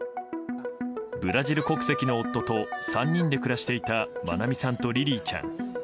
ブラジル国籍の夫と３人で暮らしていた愛美さんとリリィちゃん。